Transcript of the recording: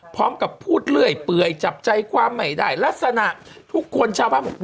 พร้อมกับพูดเรื่อยเปื่อยจับใจความไม่ได้ลักษณะทุกคนชาวบ้านบอก